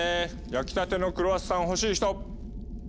焼きたてのクロワッサン欲しい人？